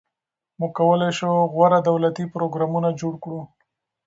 موږ کولای شو غوره دولتي پروګرامونه جوړ کړو.